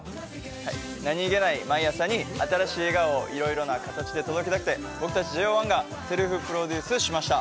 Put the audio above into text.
何気ない毎朝に新しい笑顔をいろいろな形で届けたくて、僕たちＪＯ１がセルフプロデュースしました。